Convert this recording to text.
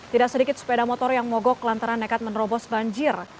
tidak sedikit sepeda motor yang mogok lantaran nekat menerobos banjir